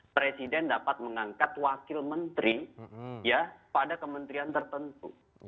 presiden dapat mengangkat wakil menteri ya pada kementerian tertentu